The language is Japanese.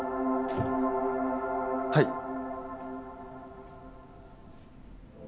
はい。